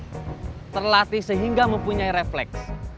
mereka terlatih sehingga mempunyai refleks